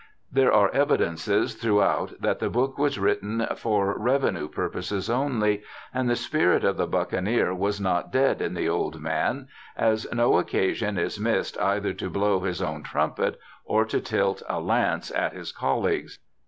There are evidences throughout that the book was written * for revenue purposes only', and the spirit of the buccaneer was not dead in the old man, as no occasion is missed either to blow his own trumpet, or to tilt a lance at his colleagues.